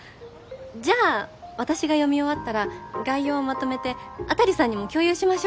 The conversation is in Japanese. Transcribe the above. じゃあ私が読み終わったら概要をまとめて辺さんにも共有しましょうか？